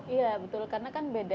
iya betul karena kan beda